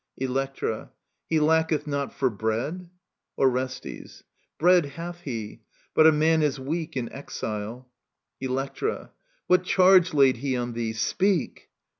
Electra. He lacketh not For bread i Orestes. Bread hath he ; but a man is weak In exile. Electra. What charge laid he on thee i Speak.